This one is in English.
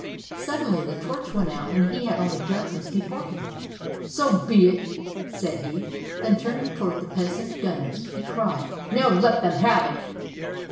Suddenly the torch went out, and he had only darkness before him. ''So be it!" said he. Then turning toward the peasant gun ners, he cried: "Now let them have it!"